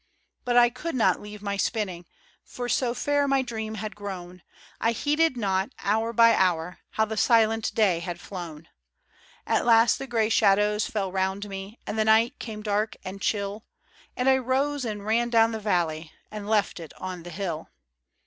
But I could not leave my spinning, For so fair my dream had grown, I heeded not, hour by hour, How the silent day had flown. At last the gray shadows fell round me, And the night came dark and chill, And I rose and ran down the valley, And left it on the hill.